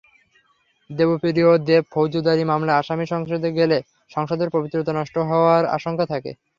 দেবপ্রিয় দেবফৌজদারি মামলার আসামি সংসদে গেলে সংসদের পবিত্রতা নষ্ট হওয়ার আশঙ্কা থাকে।